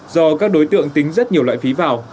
do các đối tượng tính rất nhiều loại phí vào